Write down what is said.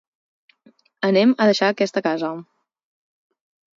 Anem a deixar aquesta casa.